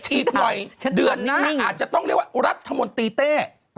อีกหน่อยเดือนหน้าอาจจะต้องเรียกว่ารัฐมนตรีเต้